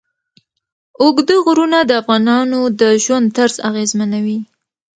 اوږده غرونه د افغانانو د ژوند طرز اغېزمنوي.